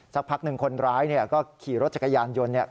สักพักหนึ่งคนร้ายเนี่ยก็ขี่รถจักรยานยนต์เนี่ย